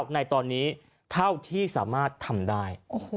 ในตอนนี้เท่าที่สามารถทำได้